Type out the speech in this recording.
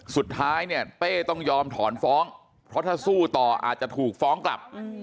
สุดท้ายเนี่ยเป้ต้องยอมถอนฟ้องเพราะถ้าสู้ต่ออาจจะถูกฟ้องกลับ